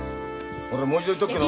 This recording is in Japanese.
俺もう一度言っとくけど。